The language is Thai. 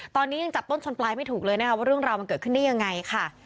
ตอนนี้ยังจับต้นชนปลายไม่ถูกเลยนะคะว่าเรื่องราวมันเกิดขึ้นได้ยังไงค่ะ